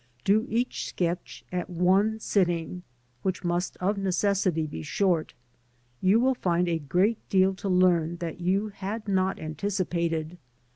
Do each sketch at one sitting, which must of necessity be short. You will find a great deal to learn that you had not anticipated.